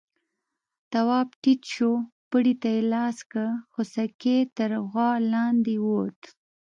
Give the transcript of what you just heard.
تواب ټيټ شو، پړي ته يې لاس کړ، خوسکی تر غوا لاندې ووت.